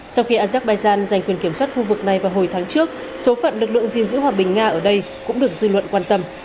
sau khi azerbaijan giành quyền kiểm soát khu vực này vào hồi tháng trước số phận lực lượng gìn giữ hòa bình nga ở đây cũng được dư luận quan tâm